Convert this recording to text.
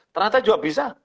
ternyata juga bisa